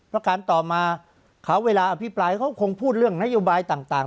ประการต่อมาเขาเวลาอภิปรายเขาคงพูดเรื่องนโยบายต่าง